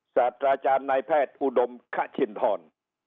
สัตว์อาจารย์นายแพทย์อุดมขชินทร